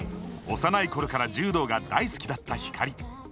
幼いころから柔道が大好きだった光。